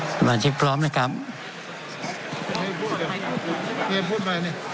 สมาชิกพร้อมนะครับ